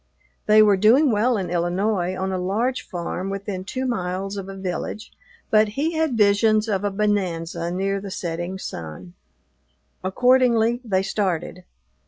They were doing well in Illinois, on a large farm within two miles of a village, but he had visions of a bonanza near the setting sun. Accordingly they started.